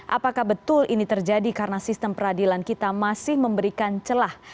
apakah betul ini terjadi karena sistem peradilan kita masih memberikan celah